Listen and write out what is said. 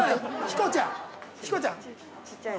ヒコちゃん！